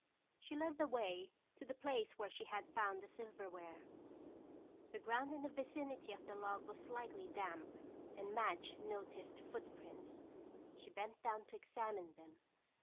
She led the way to the place where she had found the silverware. The ground in the vicinity of the log was slightly damp and Madge noticed footprints. She bent down to examine them.